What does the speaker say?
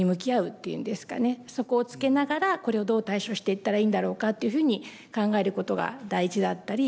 そこをつけながらこれをどう対処していったらいいんだろうかっていうふうに考えることが大事だったり